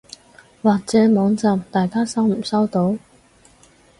或者網站大家收唔收到？